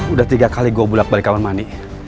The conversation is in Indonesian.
udah tiga kali gue bulat balik keamanan ani